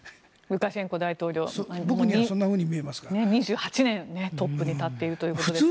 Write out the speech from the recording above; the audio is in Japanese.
ルカシェンコ大統領２８年トップに立っているということです。